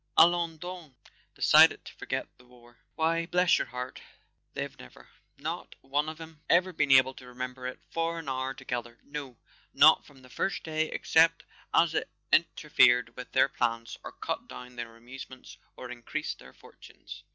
" Allons done! Decided to forget the war ? Why, bless your heart, they've never, not one of 'em, ever been able to remember it for an hour together; no, not from the first day, except as it interfered with their plans or cut down their amuse¬ ments or increased their fortunes.